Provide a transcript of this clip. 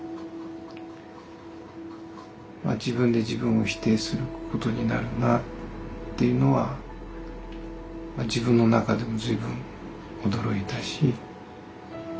自分で自分を否定することになるなっていうのは自分の中でも随分驚いたし何とも言えない気持ちでしたね。